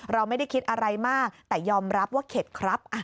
เราไม่ได้คิดอะไรมากแต่ยอมรับว่าเข็ดครับ